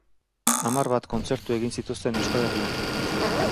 Hamar bat kontzertu egin zituzten Euskal Herrian.